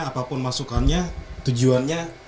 apapun masukannya tujuannya